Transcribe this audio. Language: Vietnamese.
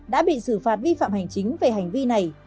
đã bị xử phạt vi phạm hành chính về hành vi này